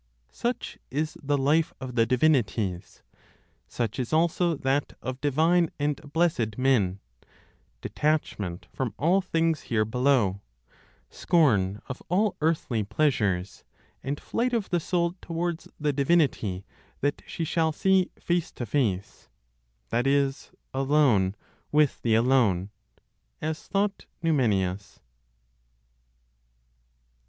Such is the life of the divinities; such is also that of divine and blessed men; detachment from all things here below, scorn of all earthly pleasures, and flight of the soul towards the Divinity that she shall see face to face (that is, "alone with the alone," as thought Numenius).